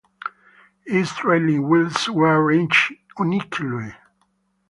Its trailing wheels were arranged uniquely.